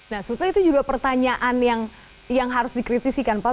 nah sebetulnya itu juga pertanyaan yang harus dikritisikan pak